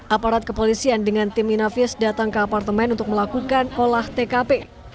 aparat kepolisian dengan tim inavis datang ke apartemen untuk melakukan olah tkp